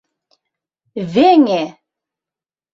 Веҥе!